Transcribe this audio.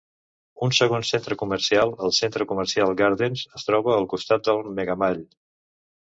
Un segon centre comercial, el centre comercial Gardens, es troba al costat del Megamall.